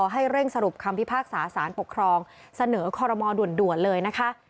ให้เร่งสรุปคำพิพากษาสารปกครองเสนอคอรมอลด่วนเลยนะคะ